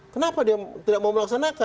kenapa dia tidak mau melaksanakan